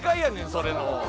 それの。